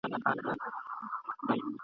چي یوه ورځ په حادثه کي مرمه !.